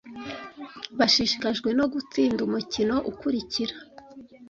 Bashishikajwe no gutsinda umukino ukurikira.